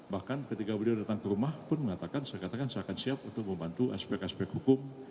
bahkan ketika beliau datang ke rumah pun mengatakan saya katakan saya akan siap untuk membantu aspek aspek hukum